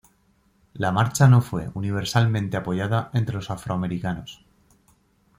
La marcha no fue universalmente apoyada entre los afroamericanos.